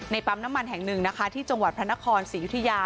ปั๊มน้ำมันแห่งหนึ่งนะคะที่จังหวัดพระนครศรียุธยา